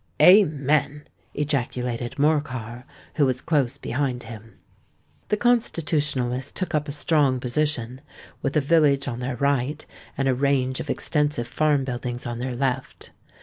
"Amen!" ejaculated Morcar, who was close behind him. The Constitutionalists took up a strong position, with a village on their right and a range of extensive farm buildings on their left.